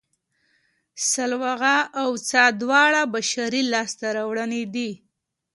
سلواغه او څا دواړه بشري لاسته راوړنې دي